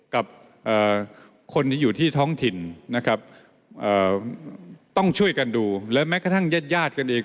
กับคนที่อยู่ที่ท้องถิ่นนะครับต้องช่วยกันดูและแม้กระทั่งญาติญาติกันเอง